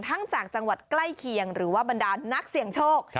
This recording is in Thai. จากจังหวัดใกล้เคียงหรือว่าบรรดานนักเสี่ยงโชค